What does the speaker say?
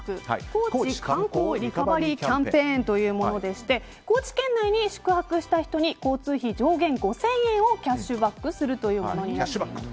高知観光リカバリーキャンペーンというものでして高知県内に宿泊した人に交通費上限５０００円をキャッシュバックするというものになっています。